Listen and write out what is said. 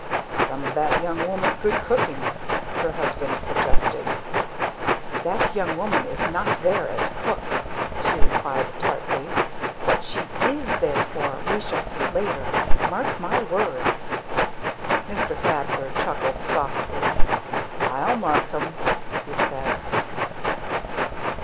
"Some of that young woman's good cooking," her husband suggested. "That young woman is not there as cook!" she replied tartly. "What she is there for we shall see later! Mark my words!" Mr. Thaddler chuckled softly. "I'll mark 'em!" he said.